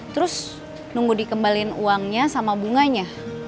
terus nunggu dikembalikan uangnya sama bunganya